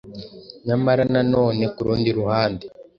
Nyamara na none ku rundi ruhande